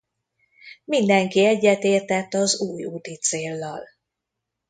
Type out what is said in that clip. Mindenki egyetértett az új úticéllal.